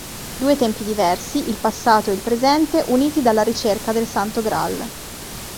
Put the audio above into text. Due tempi diversi, il passato e il presente, uniti dalla ricerca del Santo Graal.